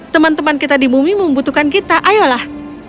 teman teman kita di bumi membutuhkan kita ayolah